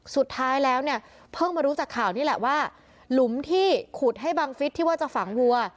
สุดท้ายแล้วเนี่ยเพิ่งมารู้จากข่าวนี่แหละว่าหลุมที่ขุดให้บังฟิศที่ว่าจะฝังวัว